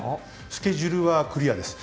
スケジュールはクリアです。